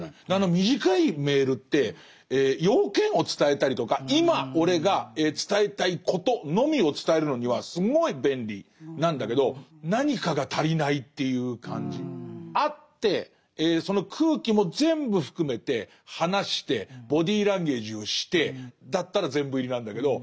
短いメールって用件を伝えたりとか今俺が伝えたいことのみを伝えるのにはすごい便利なんだけど何かが足りないっていう感じ。会ってその空気も全部含めて話してボディーランゲージをしてだったら全部入りなんだけど。